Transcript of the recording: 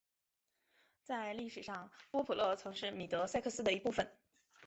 在历史上波普勒曾是米德塞克斯的一部分。